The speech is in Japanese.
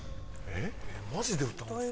えっマジで歌うんですか？